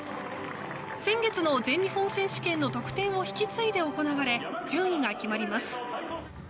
先月の全日本選手権の得点を引き継いで行われ順位が決まります。